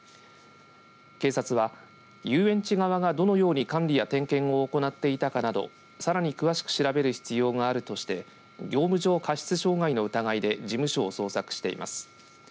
警察は遊園地側がどのように管理や点検を行っていたかなどさらに詳しく調べる必要があるとして業務上過失傷害の疑いで事務所を捜索しています。